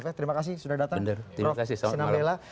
terima kasih sudah datang prof sinambela